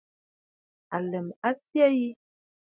Àlə̀m a syə yi.